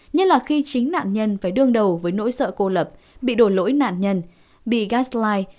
nhất là khi chính nạn nhân phải đương đầu với nỗi sợ cô lập bị đổ lỗi nạn nhân bị gatline